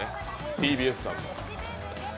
ＴＢＳさんの。